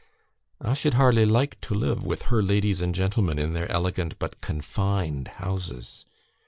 I should hardly like to live with her ladies and gentlemen, in their elegant but confined houses.